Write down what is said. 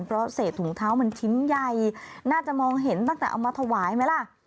เพราะเศษถุงเท้ามันชิ้นใหญ่น่าจะมองเห็นตั้งแต่เอามาถวายไหมล่ะ